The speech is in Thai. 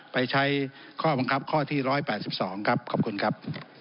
ไปใช้ข้อบังคับข้อที่๑๘๒ครับขอบคุณครับ